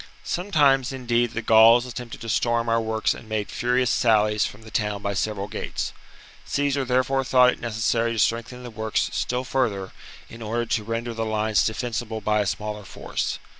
Sometimes, indeed, the Gauls attempted to storm our works and made furious sallies from the town by several gates. Caesar therefore thought it necessary to strengthen the works still further, in order to render the lines defensible by a smaller force.